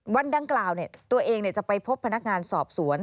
วันดังกล่าวตัวเองจะไปพบพนักงานสอบสวน